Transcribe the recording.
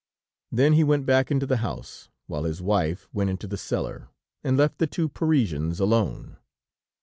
Then he went back into the house, while his wife went into the cellar, and left the two Parisians alone.